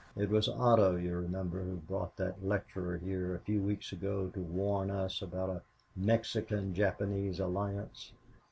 It was Otto, you remember, who brought that lecturer here a few weeks ago to warn us about a Mexican Japanese alliance.